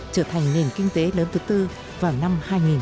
trở thành nền kinh tế lớn thứ tư vào năm hai nghìn ba mươi